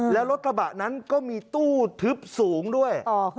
แล้วรถกระบะนั้นก็มีตู้ทึบสูงด้วย